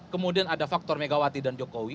kemudian ada faktor megawati dan jokowi